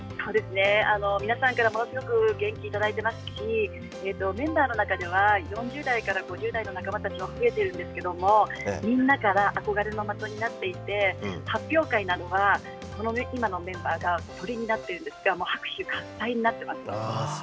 皆さんからものすごく元気をいただいていますしメンバーの中では４０代から５０代の仲間たちが増えているんですけどみんなから憧れの的になっていて発表会などは、今のメンバーがトリになっているんですが拍手喝采になっていますよ。